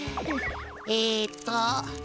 えっと。